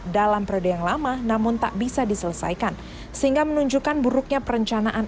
dalam periode yang lama namun tak bisa diselesaikan sehingga menunjukkan buruknya perencanaan